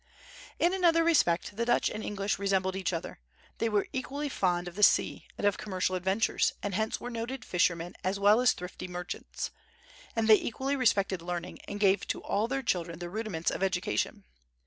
In another respect the Dutch and English resembled each other: they were equally fond of the sea, and of commercial adventures, and hence were noted fishermen as well as thrifty merchants. And they equally respected learning, and gave to all their children the rudiments of education.